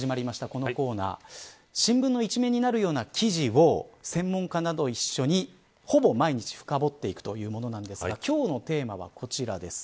このコーナー新聞の一面になるような記事を専門家などと一緒にほぼ毎日、深堀っていくというものなんですが今日のテーマはこちらです。